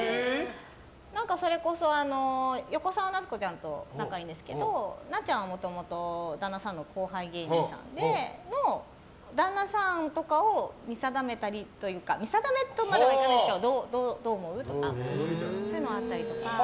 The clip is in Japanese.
それこそ、横澤夏子ちゃんと仲がいいんですけどなっちゃんは、もともと旦那さんの後輩芸人さんで旦那さんとかを見定めとまではいかないですけどどう思う？とかそういうのはあったりとか。